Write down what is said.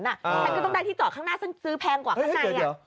ฉันก็ต้องได้ที่จอดข้างหน้าซึ่งซื้อแพงกว่าข้างใน